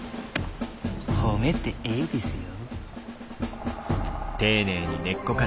褒めてえいですよ。